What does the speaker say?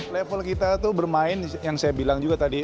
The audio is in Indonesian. level kita itu bermain yang saya bilang juga tadi